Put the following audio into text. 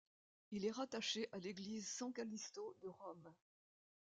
Il est rattaché à l'église San Callisto de Rome.